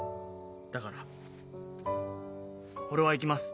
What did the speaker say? だから俺は行きます。